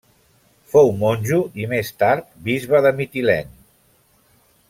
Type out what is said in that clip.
Fou monjo i més tard bisbe de Mitilene.